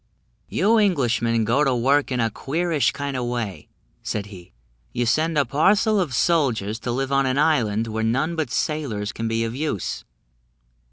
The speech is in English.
"You Englishmen go to work in a queerish kind of way," said he; "you send a parcel of soldiers to live on an island where none but sailors can be of use.